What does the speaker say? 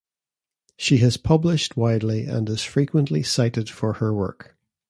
She has published widely and is frequently cited for her work.